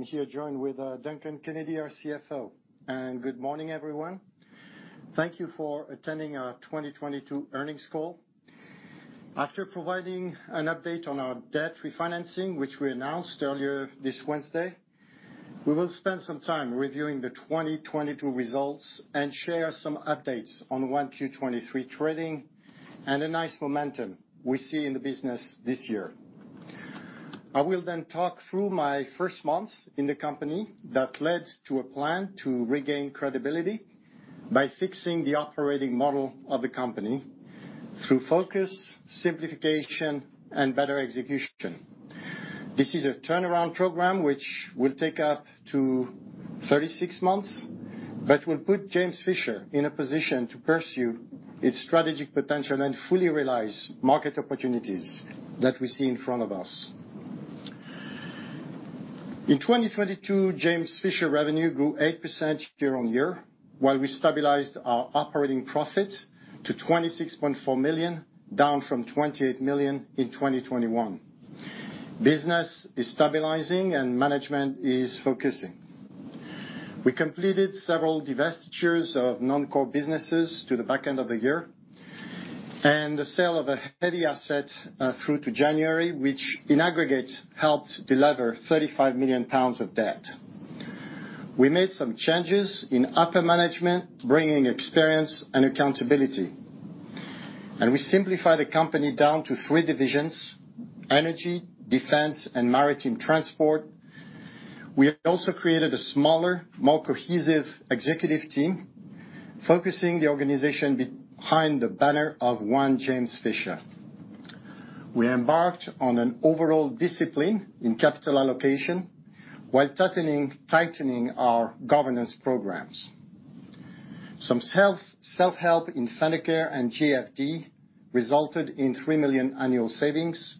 I'm here joined with Duncan Kennedy, our CFO. Good morning, everyone. Thank you for attending our 2022 earnings call. After providing an update on our debt refinancing, which we announced earlier this Wednesday, we will spend some time reviewing the 2022 results and share some updates on 1Q 2023 trading and the nice momentum we see in the business this year. I will talk through my first months in the company that led to a plan to regain credibility by fixing the operating model of the company through focus, simplification and better execution. This is a turnaround program which will take up to 36 months, but will put James Fisher in a position to pursue its strategic potential and fully realize market opportunities that we see in front of us. In 2022, James Fisher revenue grew 8% year-on-year, while we stabilized our operating profit to 26.4 million, down from 28 million in 2021. Business is stabilizing and management is focusing. We completed several divestitures of non-core businesses to the back end of the year, and the sale of a heavy asset through to January, which in aggregate helped deliver 35 million pounds of debt. We made some changes in upper management, bringing experience and accountability. We simplified the company down to three divisions: energy, defense, and maritime transport. We also created a smaller, more cohesive executive team, focusing the organization behind the banner of One James Fisher. We embarked on an overall discipline in capital allocation while tightening our governance programs. Some self-help in Fendercare and JFD resulted in 3 million annual savings.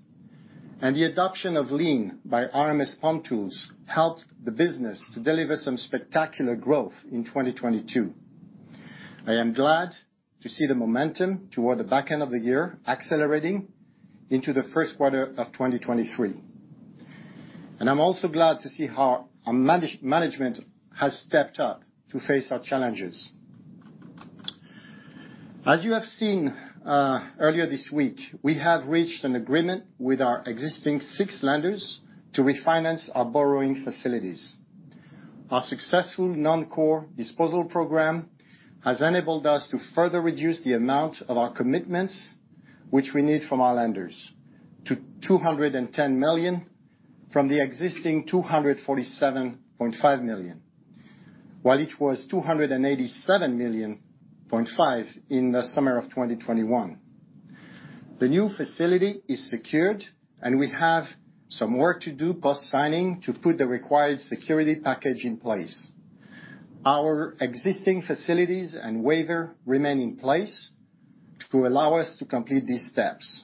The adoption of Lean by RMSpumptools helped the business to deliver some spectacular growth in 2022. I am glad to see the momentum toward the back end of the year accelerating into the first quarter of 2023. I'm also glad to see how our management has stepped up to face our challenges. As you have seen earlier this week, we have reached an agreement with our existing six lenders to refinance our borrowing facilities. Our successful non-core disposal program has enabled us to further reduce the amount of our commitments, which we need from our lenders, to 210 million from the existing 247.5 million. While it was 287.5 million in the summer of 2021. The new facility is secured, and we have some work to do post-signing to put the required security package in place. Our existing facilities and waiver remain in place to allow us to complete these steps.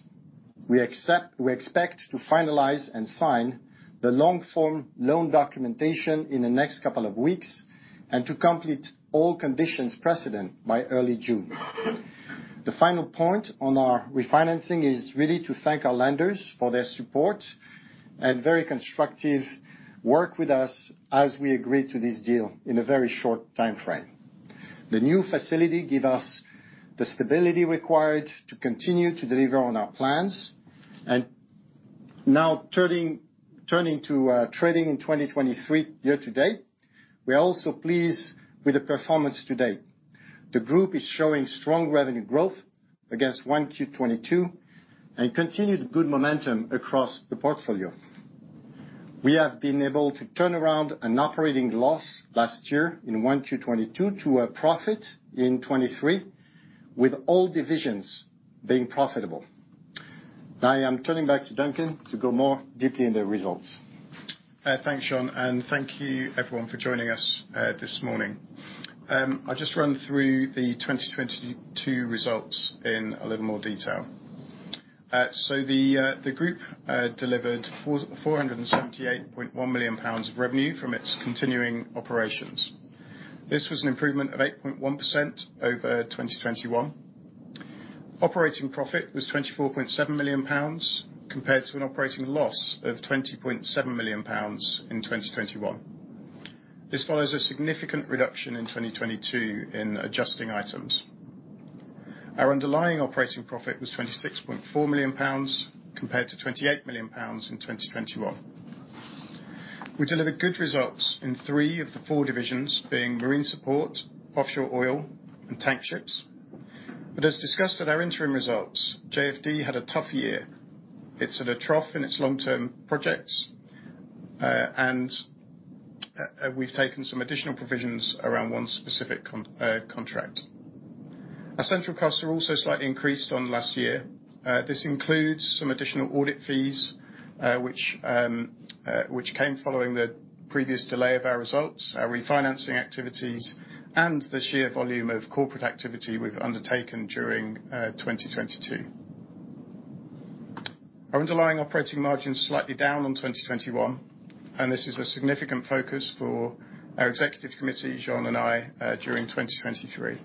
We expect to finalize and sign the long-form loan documentation in the next couple of weeks and to complete all conditions precedent by early June. The final point on our refinancing is really to thank our lenders for their support and very constructive work with us as we agreed to this deal in a very short timeframe. The new facility give us the stability required to continue to deliver on our plans. Now turning to trading in 2023 year to date, we are also pleased with the performance to date. The group is showing strong revenue growth against 1Q 2022 and continued good momentum across the portfolio. We have been able to turn around an operating loss last year in 1Q 2022 to a profit in 2023, with all divisions being profitable. I am turning back to Duncan to go more deeply in the results. Thanks, Jean, and thank you everyone for joining us this morning. I'll just run through the 2022 results in a little more detail. The group delivered 478.1 million pounds of revenue from its continuing operations. This was an improvement of 8.1% over 2021. Operating profit was 24.7 million pounds compared to an operating loss of 20.7 million pounds in 2021. This follows a significant reduction in 2022 in adjusting items. Our underlying operating profit was 26.4 million pounds compared to 28 million pounds in 2021. We delivered good results in three of the four divisions, being Marine Support, Offshore Oil, and Tankships. As discussed at our interim results, JFD had a tough year. It's at a trough in its long-term projects. We've taken some additional provisions around one specific contract. Essential costs are also slightly increased on last year. This includes some additional audit fees, which came following the previous delay of our results, our refinancing activities, and the sheer volume of corporate activity we've undertaken during 2022. Our underlying operating margin's slightly down on 2021. This is a significant focus for our executive committee, Jean and I, during 2023.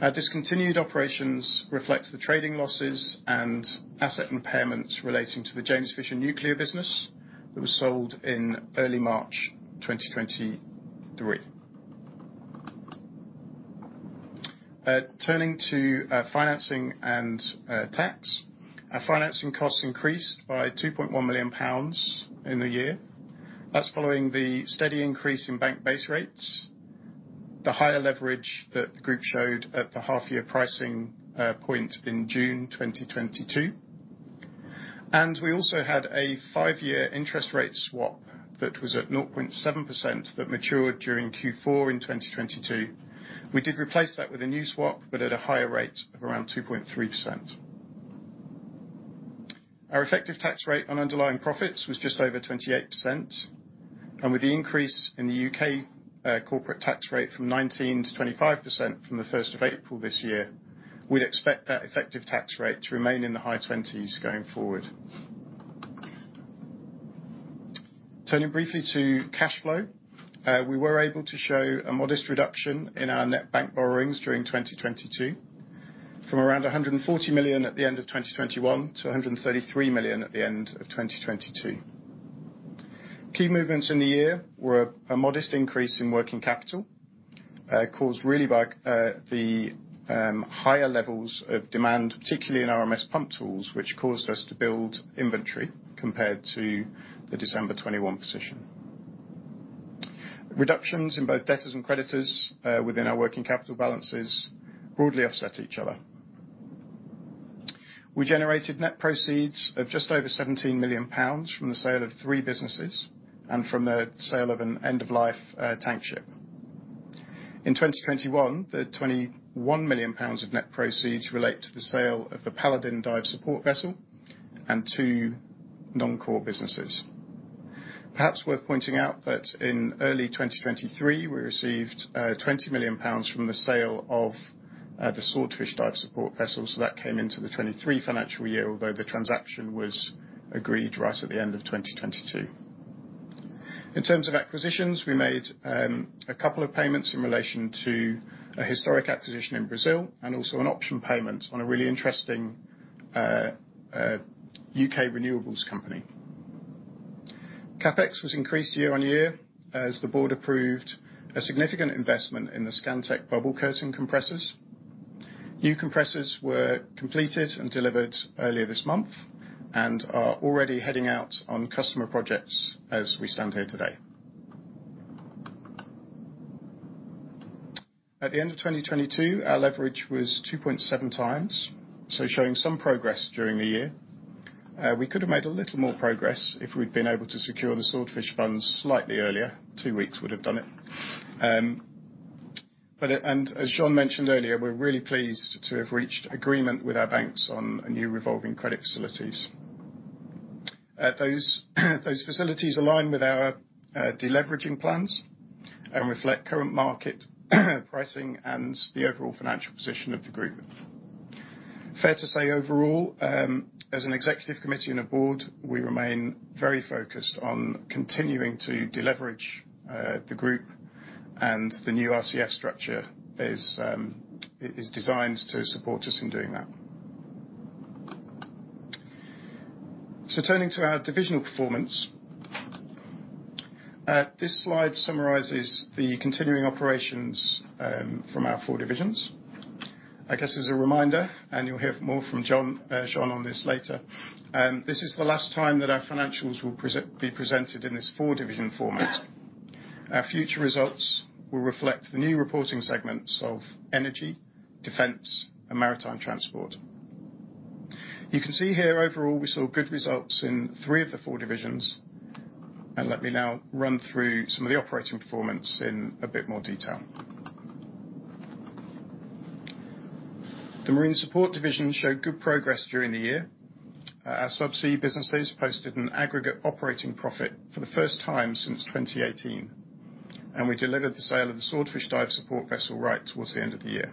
Our discontinued operations reflects the trading losses and asset impairments relating to the James Fisher Nuclear business that was sold in early March 2023. Turning to our financing and tax. Our financing costs increased by 2.1 million pounds in the year. That's following the steady increase in bank base rates, the higher leverage that the group showed at the half year pricing point in June 2022. We also had a five-year interest rate swap that was at 0.7% that matured during Q4 in 2022. We did replace that with a new swap but at a higher rate of around 2.3%. Our effective tax rate on underlying profits was just over 28%. With the increase in the U.K. corporate tax rate from 19% to 25% from the first of April this year, we'd expect that effective tax rate to remain in the high twenties going forward. Turning briefly to cash flow. We were able to show a modest reduction in our net bank borrowings during 2022 from around 140 million at the end of 2021 to 133 million at the end of 2022. Key movements in the year were a modest increase in working capital, caused really by the higher levels of demand, particularly in RMSpumptools, which caused us to build inventory compared to the December 2021 position. Reductions in both debtors and creditors within our working capital balances broadly offset each other. We generated net proceeds of just over GBP 17 million from the sale of three businesses and from the sale of an end-of-life tank ship. In 2021, the 21 million pounds of net proceeds relate to the sale of the Paladin dive support vessel and two non-core businesses. Perhaps worth pointing out that in early 2023, we received 20 million pounds from the sale of the Swordfish dive support vessel. That came into the 2023 financial year although the transaction was agreed right at the end of 2022. In terms of acquisitions, we made a couple of payments in relation to a historic acquisition in Brazil and also an option payment on a really interesting U.K. renewables company. CapEx was increased year-on-year as the board approved a significant investment in the ScanTech bubble curtain compressors. New compressors were completed and delivered earlier this month and are already heading out on customer projects as we stand here today. At the end of 2022, our leverage was 2.7 times, showing some progress during the year. We could have made a little more progress if we'd been able to secure the Swordfish funds slightly earlier. 2 weeks would have done it. And as Jean mentioned earlier, we're really pleased to have reached agreement with our banks on new revolving credit facilities. Those facilities align with our deleveraging plans and reflect current market pricing and the overall financial position of the group. Fair to say, overall, as an executive committee and a board, we remain very focused on continuing to deleverage the group and the new RCF structure is designed to support us in doing that. Turning to our divisional performance. This slide summarizes the continuing operations from our four divisions. I guess as a reminder, you'll hear more from Jean on this later, this is the last time that our financials will be presented in this four-division format. Our future results will reflect the new reporting segments of energy, defense, and maritime transport. You can see here overall, we saw good results in three of the four divisions, let me now run through some of the operating performance in a bit more detail. The Marine Support division showed good progress during the year. Our subsea businesses posted an aggregate operating profit for the first time since 2018, we delivered the sale of the Swordfish dive support vessel right towards the end of the year.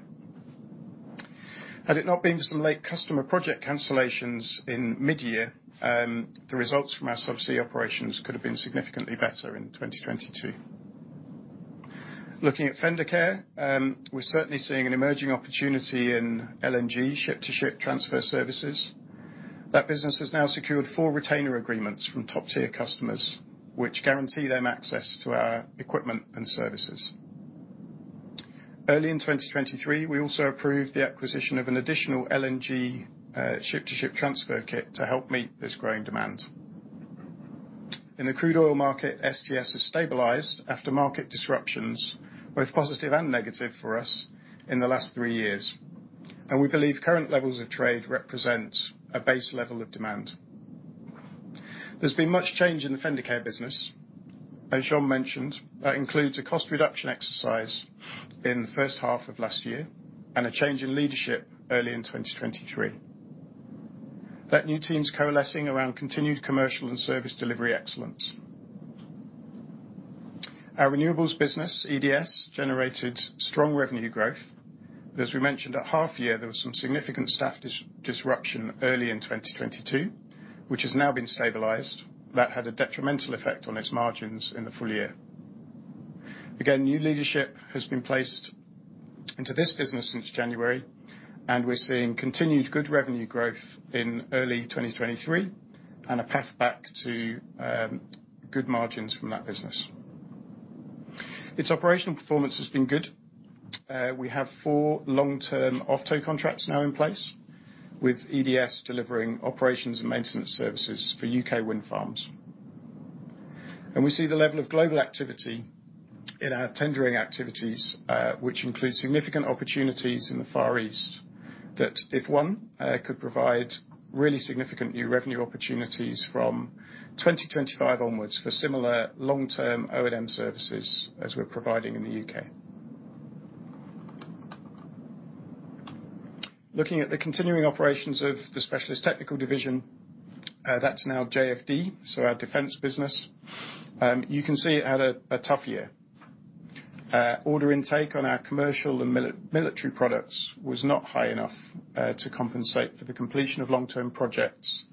Had it not been for some late customer project cancellations in mid-year, the results from our subsea operations could have been significantly better in 2022. Looking at Fendercare, we're certainly seeing an emerging opportunity in LNG ship-to-ship transfer services. That business has now secured 4 retainer agreements from top-tier customers, which guarantee them access to our equipment and services. Early in 2023, we also approved the acquisition of an additional LNG ship-to-ship transfer kit to help meet this growing demand. In the crude oil market, SGS has stabilized after market disruptions, both positive and negative for us in the last 3 years. We believe current levels of trade represent a base level of demand. There's been much change in the Fendercare business. As Jean mentioned, that includes a cost reduction exercise in the first half of last year and a change in leadership early in 2023. That new team's coalescing around continued commercial and service delivery excellence. Our renewables business, EDS, generated strong revenue growth, but as we mentioned at half year, there was some significant staff disruption early in 2022, which has now been stabilized. That had a detrimental effect on its margins in the full year. Again, new leadership has been placed into this business since January, and we're seeing continued good revenue growth in early 2023, and a path back to good margins from that business. Its operational performance has been good. We have four long-term offtake contracts now in place with EDS delivering operations and maintenance services for UK wind farms. We see the level of global activity in our tendering activities, which includes significant opportunities in the Far East, that if won, could provide really significant new revenue opportunities from 2025 onwards for similar long-term O&M services as we're providing in the UK. Looking at the continuing operations of the Specialist Technical division, that's now JFD, so our defense business. You can see it had a tough year. Order intake on our commercial and military products was not high enough to compensate for the completion of long-term projects,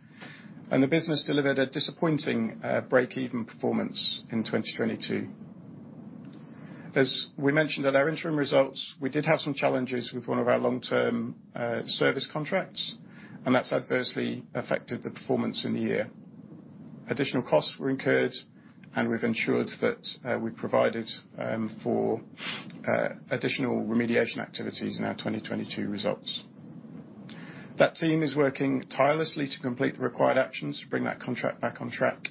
and the business delivered a disappointing break-even performance in 2022. As we mentioned at our interim results, we did have some challenges with one of our long-term service contracts, and that's adversely affected the performance in the year. Additional costs were incurred, we've ensured that we provided for additional remediation activities in our 2022 results. That team is working tirelessly to complete the required actions to bring that contract back on track.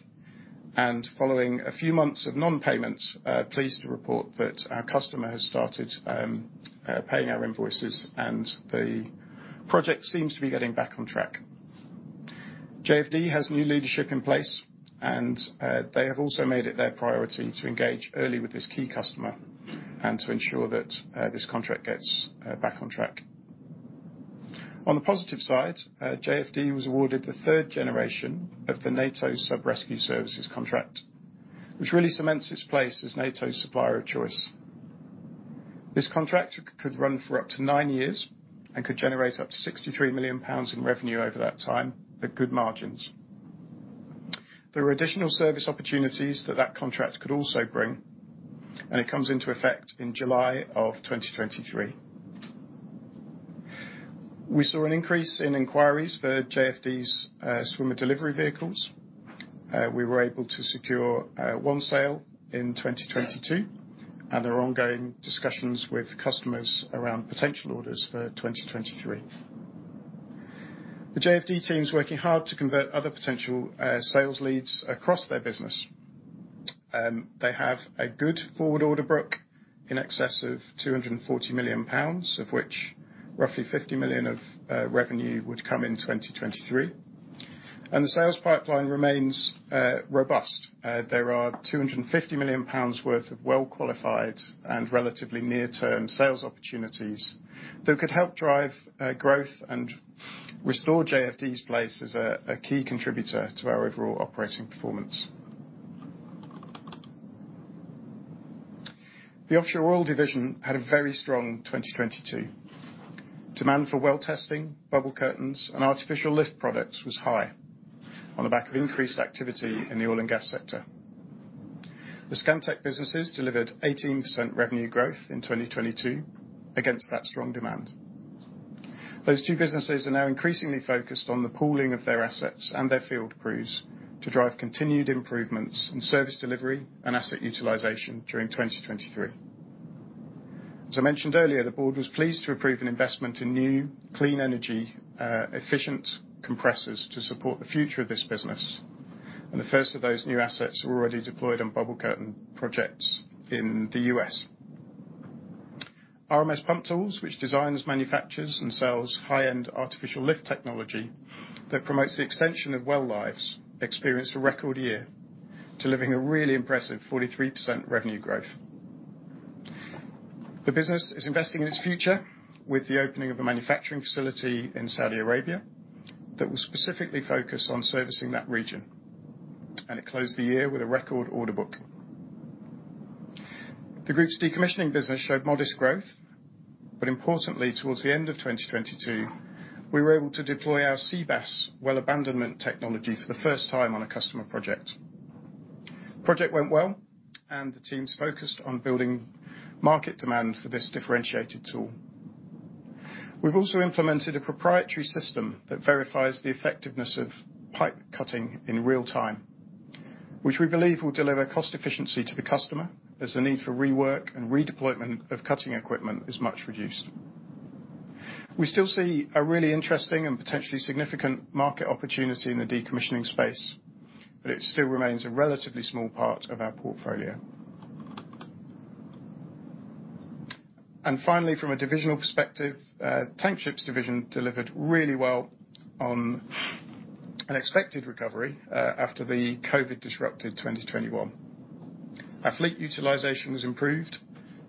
Following a few months of non-payment, pleased to report that our customer has started paying our invoices and the project seems to be getting back on track. JFD has new leadership in place and they have also made it their priority to engage early with this key customer and to ensure that this contract gets back on track. On the positive side, JFD was awarded the third generation of the NATO Sub-Rescue Services contract, which really cements its place as NATO's supplier of choice. This contract could run for up to 9 years and could generate up to 63 million pounds in revenue over that time at good margins. There are additional service opportunities that that contract could also bring, and it comes into effect in July of 2023. We saw an increase in inquiries for JFD's swimmer delivery vehicles. We were able to secure one sale in 2022, and there are ongoing discussions with customers around potential orders for 2023. The JFD team is working hard to convert other potential sales leads across their business. They have a good forward order book in excess of 240 million pounds, of which roughly 50 million of revenue would come in 2023, and the sales pipeline remains robust. There are 250 million pounds worth of well-qualified and relatively near-term sales opportunities that could help drive growth and restore JFD's place as a key contributor to our overall operating performance. The Offshore Oil division had a very strong 2022. Demand for well testing, bubble curtains, and artificial lift products was high on the back of increased activity in the oil and gas sector. The ScanTech businesses delivered 18% revenue growth in 2022 against that strong demand. Those two businesses are now increasingly focused on the pooling of their assets and their field crews to drive continued improvements in service delivery and asset utilization during 2023. As I mentioned earlier, the board was pleased to approve an investment in new clean energy, efficient compressors to support the future of this business. The first of those new assets were already deployed on bubble curtain projects in the U.S. RMSpumptools, which designs, manufactures, and sells high-end artificial lift technology that promotes the extension of well lives, experienced a record year, delivering a really impressive 43% revenue growth. The business is investing in its future with the opening of a manufacturing facility in Saudi Arabia that will specifically focus on servicing that region. It closed the year with a record order book. The group's decommissioning business showed modest growth, but importantly, towards the end of 2022, we were able to deploy our SEABASS well abandonment technology for the first time on a customer project. Project went well, the team's focused on building market demand for this differentiated tool. We've also implemented a proprietary system that verifies the effectiveness of pipe cutting in real time, which we believe will deliver cost efficiency to the customer as the need for rework and redeployment of cutting equipment is much reduced. We still see a really interesting and potentially significant market opportunity in the decommissioning space, but it still remains a relatively small part of our portfolio. Finally, from a divisional perspective, Tankships division delivered really well on an expected recovery after the COVID disrupted 2021. Our fleet utilization was improved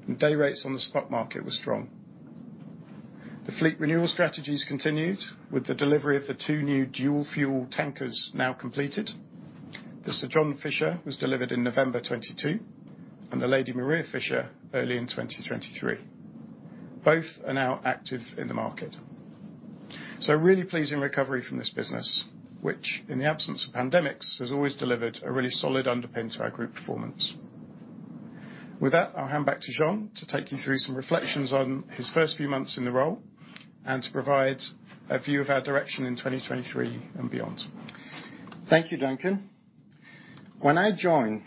and day rates on the spot market were strong. The fleet renewal strategies continued with the delivery of the two new dual-fuel tankers now completed. The Sir John Fisher was delivered in November 2022, and the Lady Maria Fisher early in 2023. Both are now active in the market. Really pleasing recovery from this business, which in the absence of pandemics, has always delivered a really solid underpin to our group performance. With that, I'll hand back to Jean to take you through some reflections on his first few months in the role, and to provide a view of our direction in 2023 and beyond. Thank you, Duncan. When I joined,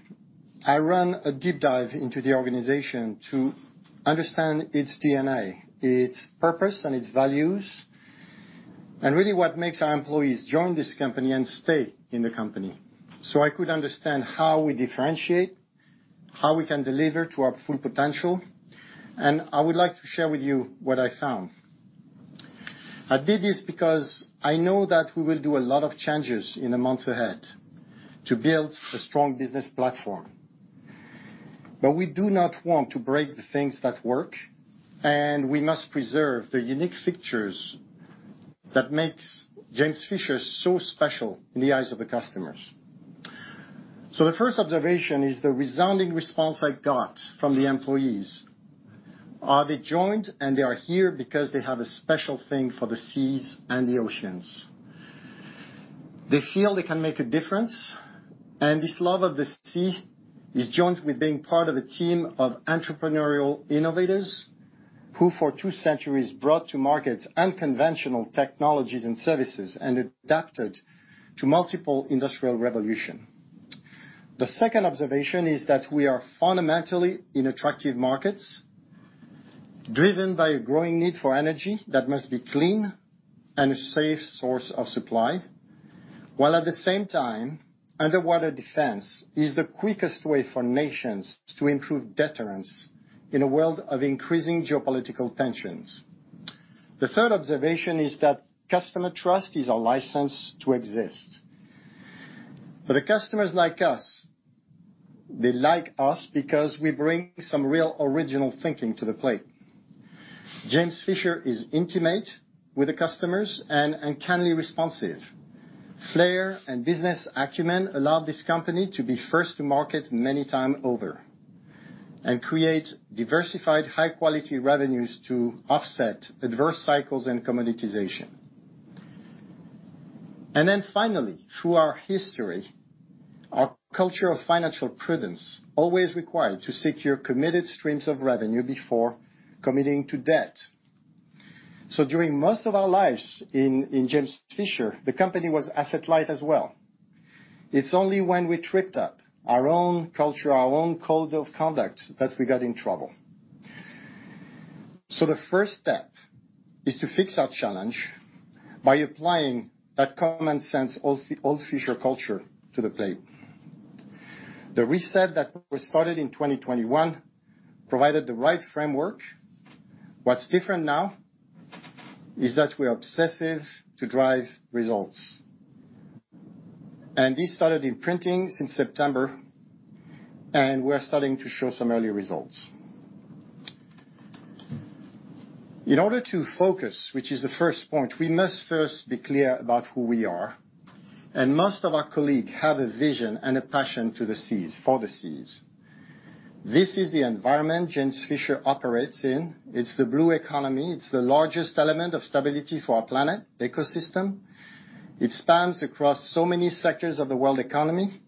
I ran a deep dive into the organization to understand its DNA, its purpose, and its values, and really what makes our employees join this company and stay in the company, so I could understand how we differentiate, how we can deliver to our full potential, and I would like to share with you what I found. I did this because I know that we will do a lot of changes in the months ahead to build a strong business platform. We do not want to break the things that work, and we must preserve the unique features that makes James Fisher so special in the eyes of the customers. The first observation is the resounding response I got from the employees. They joined, and they are here because they have a special thing for the seas and the oceans. They feel they can make a difference, and this love of the sea is joined with being part of a team of entrepreneurial innovators, who for two centuries brought to market unconventional technologies and services and adapted to multiple industrial revolution. The second observation is that we are fundamentally in attractive markets, driven by a growing need for energy that must be clean and a safe source of supply. While at the same time, underwater defense is the quickest way for nations to improve deterrence in a world of increasing geopolitical tensions. The third observation is that customer trust is a license to exist. For the customers like us, they like us because we bring some real original thinking to the plate. James Fisher is intimate with the customers and kindly responsive. Flair and business acumen allow this company to be first to market many time over and create diversified high-quality revenues to offset adverse cycles and commoditization. Finally, through our history, our culture of financial prudence always required to secure committed streams of revenue before committing to debt. During most of our lives in James Fisher, the company was asset light as well. It's only when we tripped up our own culture, our own code of conduct, that we got in trouble. The first step is to fix our challenge by applying that common sense old Fisher culture to the plate. The reset that was started in 2021 provided the right framework. What's different now is that we're obsessive to drive results. This started imprinting since September, and we're starting to show some early results. In order to focus, which is the first point, we must first be clear about who we are, and most of our colleagues have a vision and a passion to the seas, for the seas. This is the environment James Fisher operates in. It's the blue economy. It's the largest element of stability for our planet ecosystem. It spans across so many sectors of the world economy.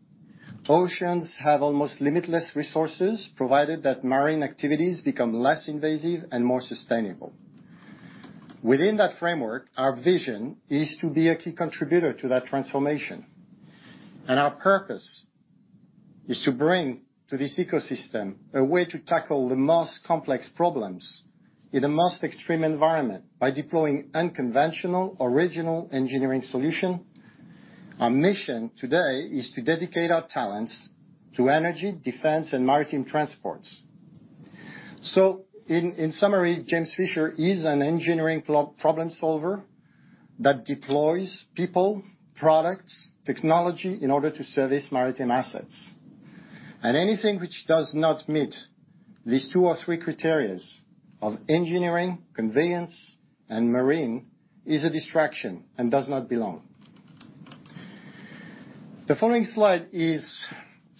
Oceans have almost limitless resources, provided that marine activities become less invasive and more sustainable. Within that framework, our vision is to be a key contributor to that transformation, and our purpose is to bring to this ecosystem a way to tackle the most complex problems in the most extreme environment by deploying unconventional, original engineering solutions. Our mission today is to dedicate our talents to energy, defense, and maritime transports. In summary, James Fisher is an engineering problem solver that deploys people, products, technology in order to service maritime assets. Anything which does not meet these two or three criterias of engineering, conveyance, and marine is a distraction and does not belong. The following slide is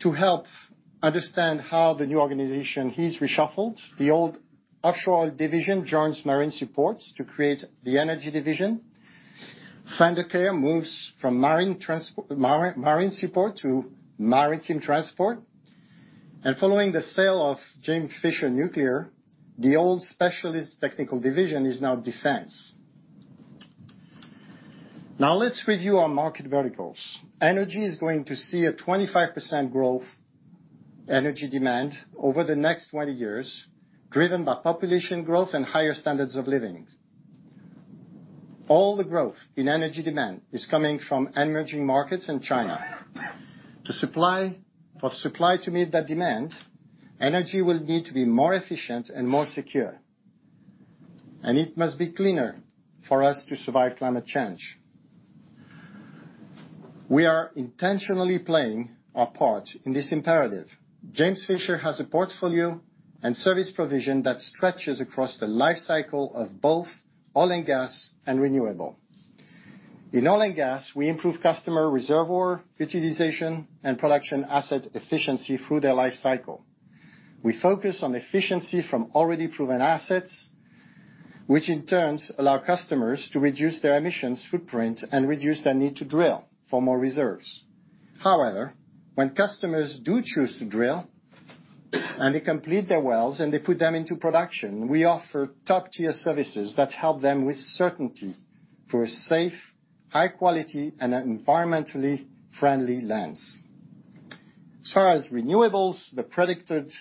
to help understand how the new organization is reshuffled. The old Offshore Oil division joins Marine Support to create the Energy division. Fendercare moves from Marine Support to maritime transport. Following the sale of James Fisher Nuclear, the old Specialist Technical division is now Defense. Let's review our market verticals. Energy is going to see a 25% growth energy demand over the next 20 years, driven by population growth and higher standards of living. All the growth in energy demand is coming from emerging markets in China. For supply to meet that demand, energy will need to be more efficient and more secure, it must be cleaner for us to survive climate change. We are intentionally playing our part in this imperative. James Fisher has a portfolio and service provision that stretches across the life cycle of both oil and gas and renewables. In oil and gas, we improve customer reservoir utilization and production asset efficiency through their life cycle. We focus on efficiency from already proven assets, which in turn allow customers to reduce their emissions footprint and reduce their need to drill for more reserves. When customers do choose to drill, and they complete their wells and they put them into production, we offer top-tier services that help them with certainty for a safe, high quality, and environmentally friendly lens. As far as renewables, the predicted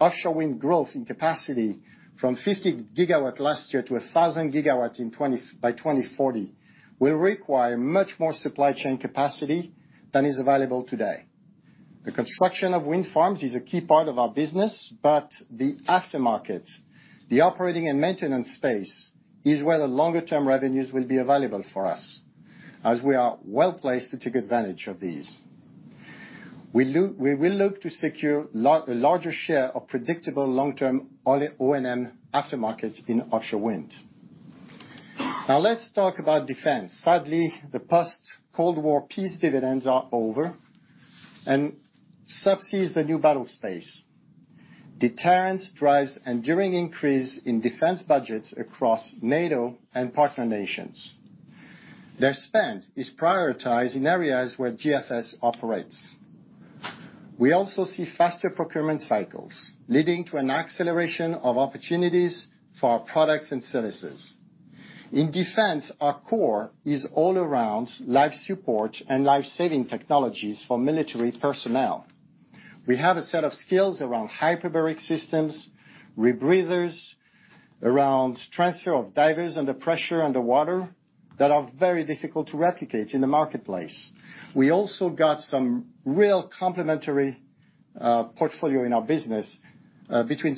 offshore wind growth in capacity from 50 gigawatts last year to 1,000 gigawatts by 2040 will require much more supply chain capacity than is available today. The construction of wind farms is a key part of our business, the aftermarket, the operating and maintenance space, is where the longer-term revenues will be available for us, as we are well-placed to take advantage of these. We will look to secure a larger share of predictable long-term O&M aftermarket in offshore wind. Now let's talk about defense. Sadly, the post-Cold War peace dividends are over, subsea is the new battle space. Deterrence drives enduring increase in defense budgets across NATO and partner nations. Their spend is prioritized in areas where GFS operates. We also see faster procurement cycles, leading to an acceleration of opportunities for our products and services. In defense, our core is all around life support and life-saving technologies for military personnel. We have a set of skills around hyperbaric systems, rebreathers, around transfer of divers under pressure underwater that are very difficult to replicate in the marketplace. We also got some real complementary portfolio in our business between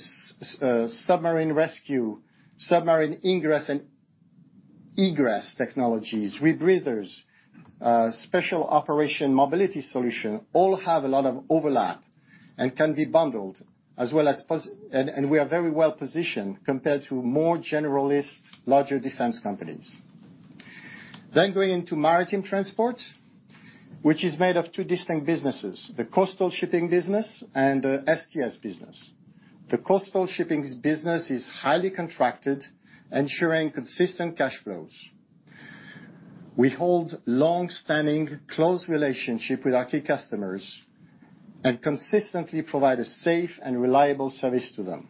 submarine rescue, submarine ingress and egress technologies, rebreathers, special operation mobility solution, all have a lot of overlap and can be bundled. We are very well-positioned compared to more generalist, larger defense companies. Going into maritime transport, which is made of two distinct businesses, the coastal shipping business and the STS business. The coastal shipping business is highly contracted, ensuring consistent cash flows. We hold longstanding close relationship with our key customers and consistently provide a safe and reliable service to them.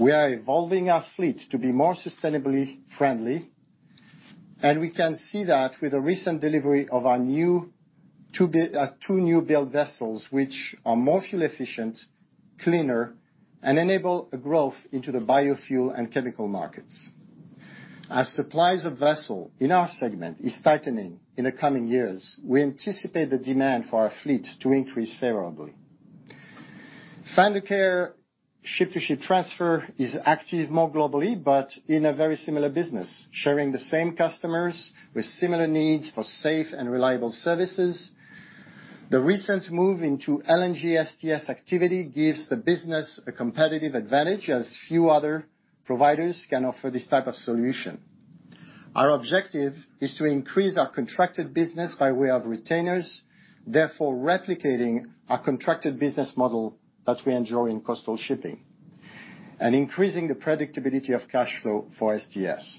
We are evolving our fleet to be more sustainably friendly. We can see that with the recent delivery of our two new-build vessels, which are more fuel efficient, cleaner, and enable a growth into the biofuel and chemical markets. As supplies of vessel in our segment is tightening in the coming years, we anticipate the demand for our fleet to increase favorably. Seadrill ship-to-ship transfer is active more globally, but in a very similar business, sharing the same customers with similar needs for safe and reliable services. The recent move into LNG STS activity gives the business a competitive advantage, as few other providers can offer this type of solution. Our objective is to increase our contracted business by way of retainers, therefore replicating our contracted business model that we enjoy in coastal shipping and increasing the predictability of cash flow for STS.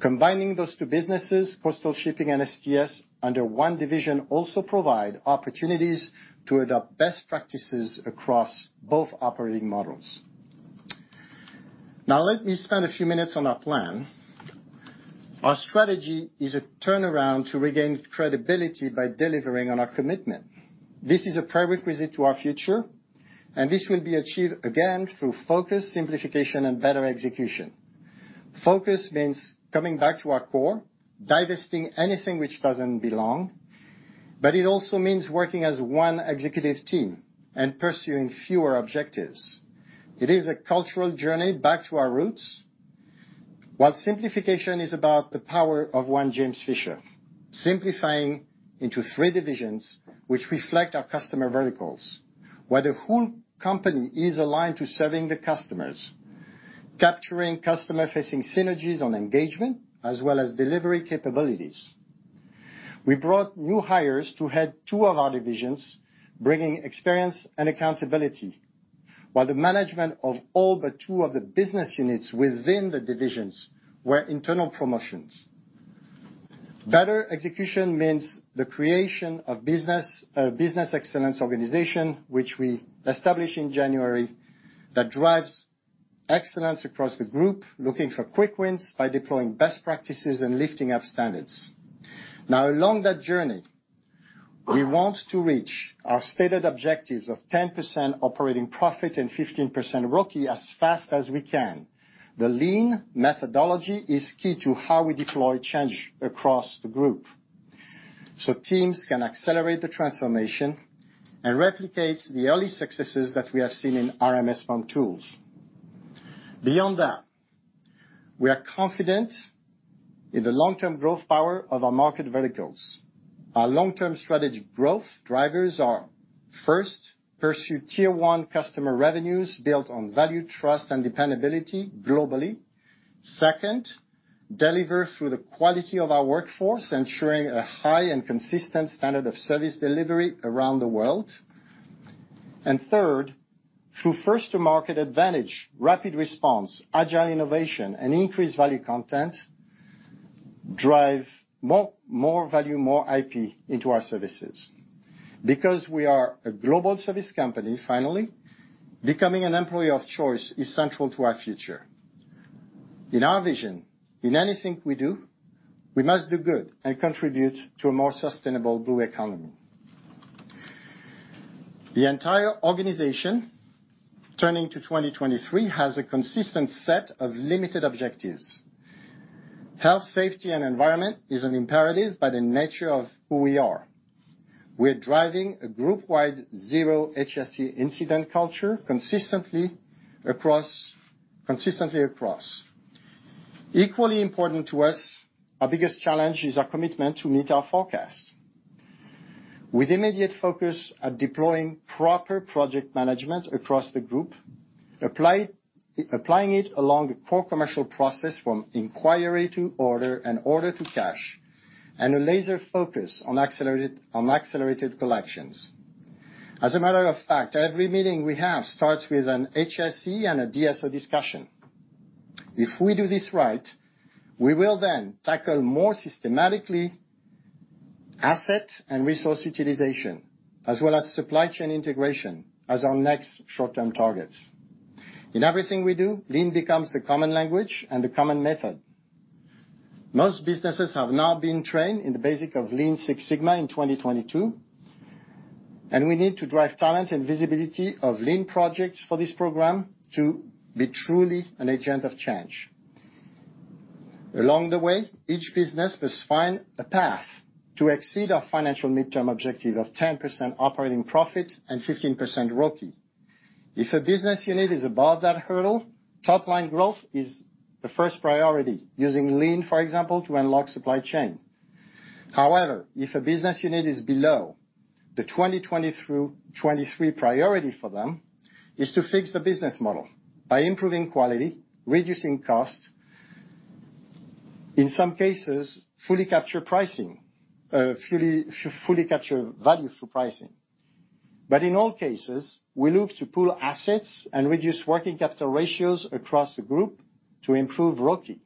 Combining those two businesses, coastal shipping and STS, under one division also provide opportunities to adopt best practices across both operating models. Now let me spend a few minutes on our plan. Our strategy is a turnaround to regain credibility by delivering on our commitment. This is a prerequisite to our future, and this will be achieved again through focus, simplification, and better execution. Focus means coming back to our core, divesting anything which doesn't belong, but it also means working as one executive team and pursuing fewer objectives. It is a cultural journey back to our roots, while simplification is about the power of one James Fisher, simplifying into 3 divisions which reflect our customer verticals, where the whole company is aligned to serving the customers, capturing customer-facing synergies on engagement as well as delivery capabilities. We brought new hires to head 2 of our divisions, bringing experience and accountability, while the management of all but 2 of the business units within the divisions were internal promotions. Better execution means the creation of business excellence organization, which we established in January, that drives excellence across the group, looking for quick wins by deploying best practices and lifting up standards. Along that journey, we want to reach our stated objectives of 10% operating profit and 15% ROCE as fast as we can. The Lean methodology is key to how we deploy change across the group so teams can accelerate the transformation and replicate the early successes that we have seen in RMSpumptools. Beyond that, we are confident in the long-term growth power of our market verticals. Our long-term strategy growth drivers are: First, pursue tier one customer revenues built on value, trust, and dependability globally. Second, deliver through the quality of our workforce, ensuring a high and consistent standard of service delivery around the world. Third, through first to market advantage, rapid response, agile innovation, and increased value content, drive more value, more IP into our services. We are a global service company, finally, becoming an employee of choice is central to our future. In our vision, in anything we do, we must do good and contribute to a more sustainable blue economy. The entire organization, turning to 2023, has a consistent set of limited objectives. Health, Safety, and Environment is an imperative by the nature of who we are. We're driving a group-wide zero HSE incident culture consistently across. Equally important to us, our biggest challenge is our commitment to meet our forecasts. With immediate focus at deploying proper project management across the group, applying it along the core commercial process from inquiry to order and order to cash, and a laser focus on accelerated collections. As a matter of fact, every meeting we have starts with an HSE and a DSO discussion. If we do this right, we will then tackle more systematically asset and resource utilization, as well as supply chain integration as our next short-term targets. In everything we do, Lean becomes the common language and the common method. Most businesses have now been trained in the basic of Lean Six Sigma in 2022. We need to drive talent and visibility of Lean projects for this program to be truly an agent of change. Along the way, each business must find a path to exceed our financial midterm objective of 10% operating profit and 15% ROCE. If a business unit is above that hurdle, top line growth is the first priority, using Lean, for example, to unlock supply chain. If a business unit is below, the 2020-2023 priority for them is to fix the business model by improving quality, reducing costs, in some cases, fully capture pricing. fully capture value for pricing. In all cases, we look to pool assets and reduce working capital ratios across the group to improve ROCE.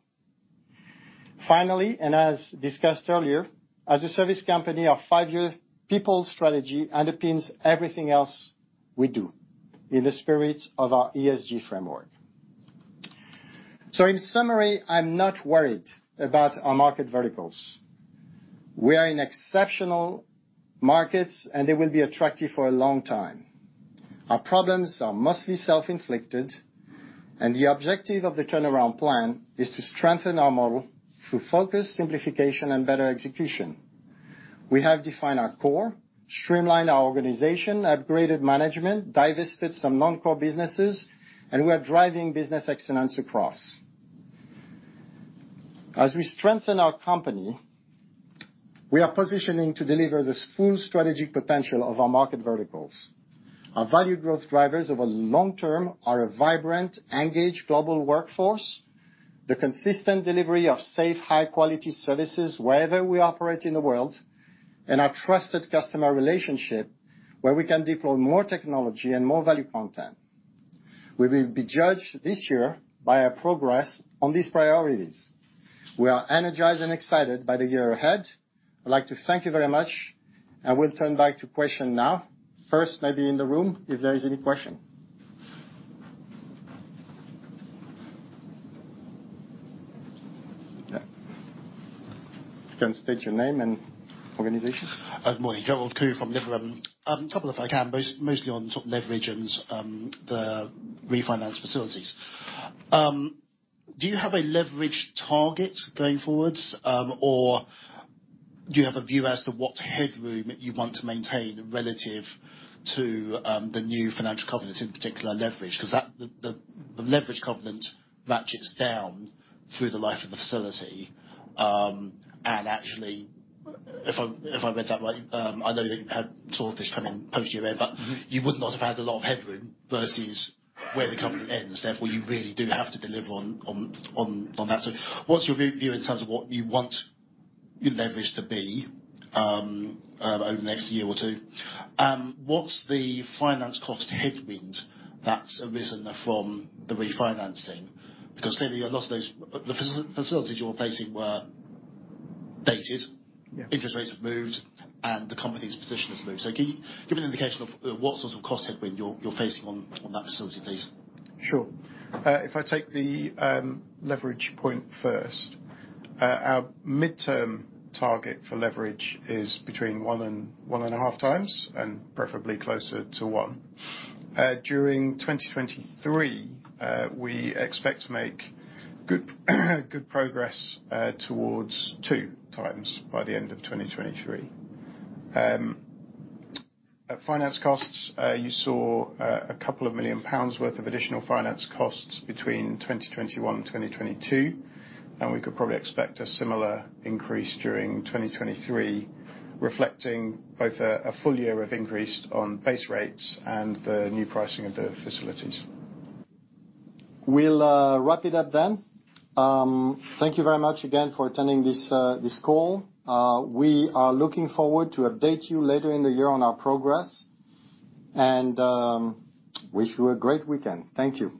Finally, as discussed earlier, as a service company, our five-year people strategy underpins everything else we do in the spirit of our ESG framework. In summary, I'm not worried about our market verticals. We are in exceptional markets, and they will be attractive for a long time. Our problems are mostly self-inflicted, and the objective of the turnaround plan is to strengthen our model through focus, simplification, and better execution. We have defined our core, streamlined our organization, upgraded management, divested some non-core businesses, and we are driving business excellence across. As we strengthen our company, we are positioning to deliver this full strategy potential of our market verticals. Our value growth drivers over long term are a vibrant, engaged global workforce, the consistent delivery of safe, high-quality services wherever we operate in the world, and our trusted customer relationship where we can deploy more technology and more value content. We will be judged this year by our progress on these priorities. We are energized and excited by the year ahead. I'd like to thank you very much and will turn back to question now. First, maybe in the room if there is any question. Yeah. You can state your name and organization. Good morning. Gerald Khoo from Liberum. A couple if I can, mostly on top leverage and the refinance facilities. Do you have a leverage target going forwards, or do you have a view as to what headroom you want to maintain relative to the new financial covenants, in particular, leverage? 'Cause that... The leverage covenant ratchets down through the life of the facility, and actually if I, if I read that right, I know that you had Swordfish coming post-year end, but you would not have had a lot of headroom versus where the covenant ends, therefore, you really do have to deliver on that. What's your view in terms of what you want your leverage to be over the next year or two? What's the finance cost headwind that's arisen from the refinancing? Clearly you had lost those... The facilities you were facing were dated. Yeah. Interest rates have moved, and the company's position has moved. Can you give an indication of what sorts of cost headwind you're facing on that facility, please? Sure. If I take the leverage point first, our midterm target for leverage is between 1x and 1.5x, and preferably closer to 1x. During 2023, we expect to make good progress towards 2x by the end of 2023. At finance costs, you saw 2 million pounds worth of additional finance costs between 2021 and 2022, and we could probably expect a similar increase during 2023, reflecting both a full year of increase on base rates and the new pricing of the facilities. We'll wrap it up then. Thank you very much again for attending this call. We are looking forward to update you later in the year on our progress and wish you a great weekend. Thank you.